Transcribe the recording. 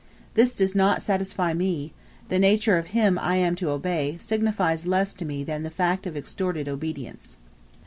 This does not satisfy me: the nature of him I am to obey signifies less to me than the fact of extorted obedience.